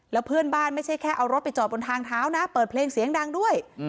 แล้วเพื่อนบ้านไม่ใช่แค่เอารถไปจอดบนทางเท้านะเปิดเพลงเสียงดังด้วย